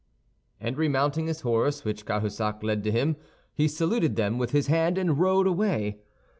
And remounting his horse, which Cahusac led to him, he saluted them with his hand, and rode away.